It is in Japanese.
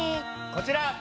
こちら！